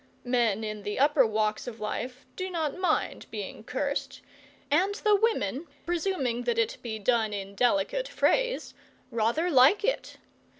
Men in the upper walks of life do not mind being cursed, and the women, presuming that it be done in delicate phrase, rather like it.